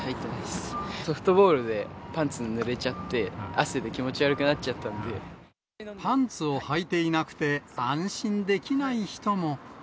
ソフトボールでパンツぬれちゃって、汗で気パンツをはいていなくて、安心できない人も。